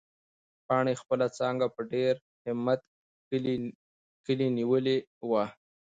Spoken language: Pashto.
پاڼې خپله څانګه په ډېر همت کلي نیولې وه.